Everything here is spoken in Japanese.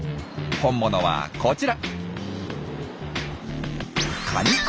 本物はこちら。